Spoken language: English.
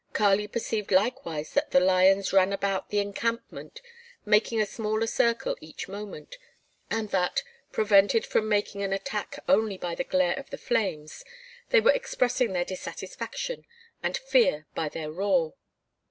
Kali perceived likewise that the lions ran about the encampment making a smaller circle each moment, and that, prevented from making an attack only by the glare of the flames, they were expressing their dissatisfaction and fear by their roar.